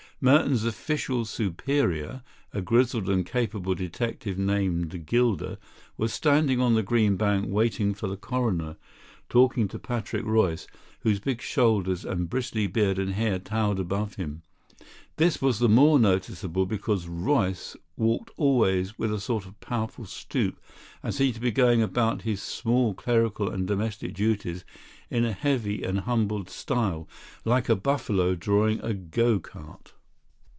Merton's official superior, a grizzled and capable detective named Gilder, was standing on the green bank waiting for the coroner, talking to Patrick Royce, whose big shoulders and bristly beard and hair towered above him. This was the more noticeable because Royce walked always with a sort of powerful stoop, and seemed to be going about his small clerical and domestic duties in a heavy and humbled style, like a buffalo drawing a go cart.